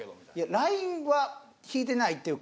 ラインは引いてないっていうか